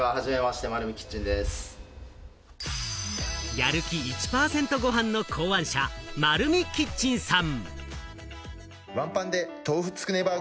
やる気１％ごはんの考案者・まるみキッチンさん。